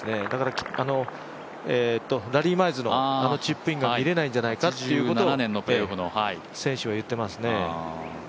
だからラリー・マイズのチップインが見られないんじゃないかということを選手は言っていますね。